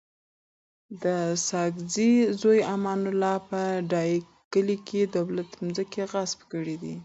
د ساګزی زوی امان الله په ډایی کلی کي دولتي مځکي غصب کړي دي